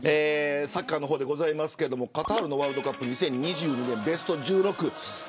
サッカーの方ですがカタールのワールドカップ２０２２年、ベスト１６。